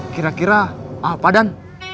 kira kira apa dan